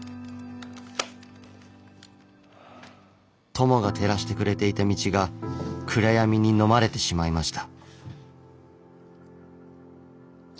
友が照らしてくれていた道が暗闇にのまれてしまいました。